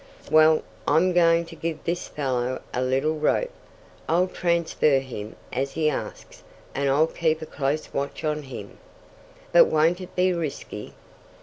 "Well, I'm going to give this fellow a little rope. I'll transfer him, as he asks, and I'll keep a close watch on him." "But won't it be risky?"